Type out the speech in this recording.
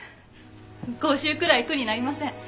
講習くらい苦になりません。